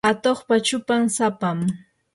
atuqpa chupan sapam.